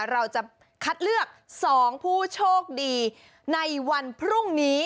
เราจะคัดเลือก๒ผู้โชคดีในวันพรุ่งนี้